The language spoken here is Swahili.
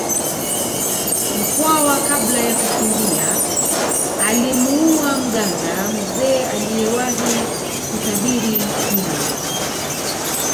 Mkwawa kabla ya kukimbia alimuua mganga mzee aliyewahi kutabiri hilo